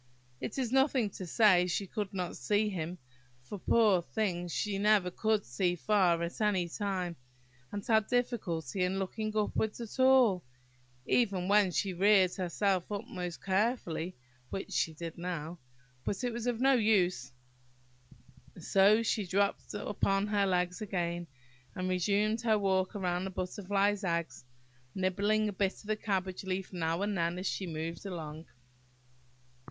It is nothing to say she could not see him; for, poor thing! she never could see far at any time and had a difficulty in looking upwards at all, even when she reared herself up most carefully, which she did now; but it was of no use, so she dropped upon her legs again, and resumed her walk round the Butterfly's eggs, nibbling a bit of the cabbage leaf now and then as she moved along.